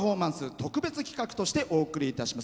特別企画としてお送りします。